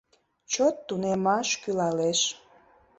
Чот тунемаш кӱлалеш...